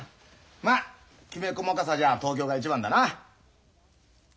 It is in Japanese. まっきめ細かさじゃ東京が一番だな。